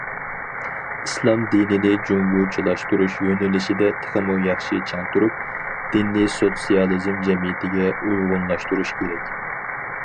ئىسلام دىنىنى جۇڭگوچىلاشتۇرۇش يۆنىلىشىدە تېخىمۇ ياخشى چىڭ تۇرۇپ، دىننى سوتسىيالىزم جەمئىيىتىگە ئۇيغۇنلاشتۇرۇش كېرەك.